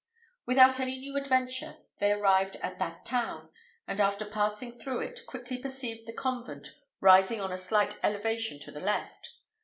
Without any new adventure they arrived at that town; and after passing through it, quickly perceived the convent rising on a slight elevation to the left.